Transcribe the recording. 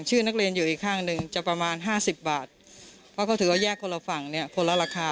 ชื่อนักเรียนอยู่อีกข้างหนึ่งจะประมาณ๕๐บาทเพราะเขาถือว่าแยกคนละฝั่งเนี่ยคนละราคา